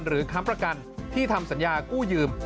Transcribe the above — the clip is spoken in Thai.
ค้ำประกันที่ทำสัญญากู้ยืม